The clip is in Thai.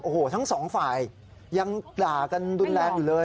โอ้โหทั้งสองฝ่ายยังด่ากันรุนแรงอยู่เลย